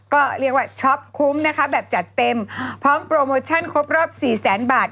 ก็เรียกว่าช็อปคุ้มนะคะแบบจัดเต็มพร้อมโปรโมชั่นครบรอบสี่แสนบาท